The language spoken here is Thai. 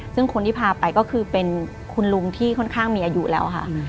ซึ่งคนที่พาไปก็คือเป็นคุณลุงที่ค่อนข้างมีอายุแล้วค่ะ